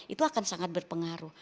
itu akan sangat berpengaruh